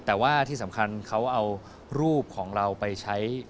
แต่ว่าที่สำคัญเขาเอารูปของเราไปใช้